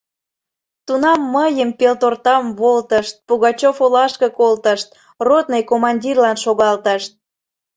Тунам мыйым, пелтортам, волтышт, Пугачёв олашке колтышт, ротный командирлан шогалтышт.